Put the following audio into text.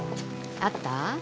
あった？